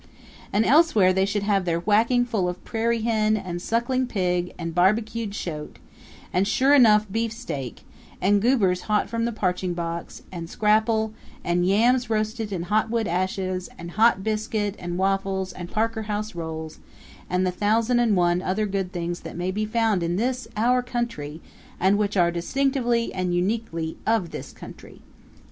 And elsewhere they should have their whacking fill of prairie hen and suckling pig and barbecued shote, and sure enough beefsteak, and goobers hot from the parching box; and scrapple, and yams roasted in hot wood ashes; and hotbiscuit and waffles and Parker house rolls and the thousand and one other good things that may be found in this our country, and which are distinctively and uniquely of this country.